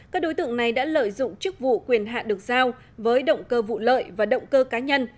các đối tượng này đã lợi dụng chức vụ quyền hạn được giao với động cơ vụ lợi và động cơ cá nhân